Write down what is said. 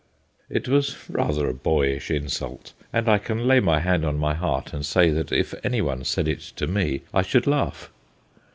It was rather a boyish insult, and I can lay my hand on my heart and say that if any one said it to me I should laugh.